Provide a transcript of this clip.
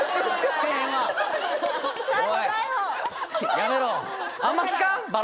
やめろ！